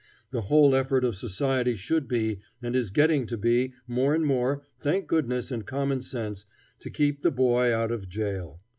The whole effort of society should be, and is getting to be more and more, thank goodness and common sense, to keep the boy out of jail.